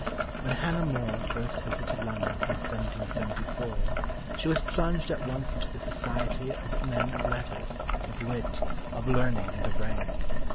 When Hannah More first visited London, in 1774, she was plunged at once into the society of men of letters, of wit, of learning, and of rank.